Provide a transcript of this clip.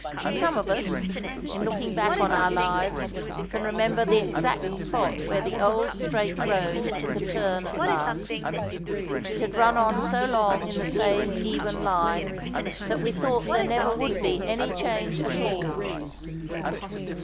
Some of us, in looking back on our lives, can remember the exact spot where the old straight road took a turn at last. It had run on so long in the same even line, that we thought there would never be any change at all.